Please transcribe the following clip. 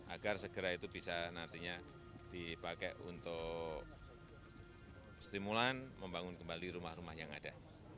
agar segera itu bisa nantinya dipakai untuk stimulan membangun kembali rumah rumah yang ada